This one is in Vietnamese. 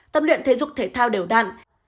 tập luyện thể dục thể thao đều đặn